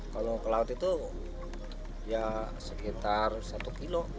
kalau ke laut itu ya sekitar satu kilo